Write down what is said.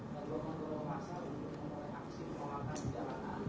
belum menurut masa untuk memulai aksi pengolahan perjalanan